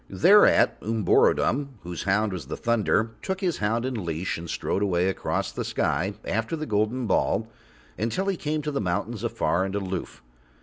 Thereat Umborodom, whose hound was the thunder, took his hound in leash, and strode away across the sky after the golden ball until he came to the mountains afar and aloof.